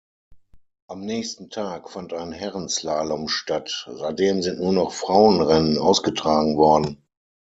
Am nächsten Tag fand ein Herren-Slalom statt, seitdem sind nur noch Frauen-Rennen ausgetragen worden.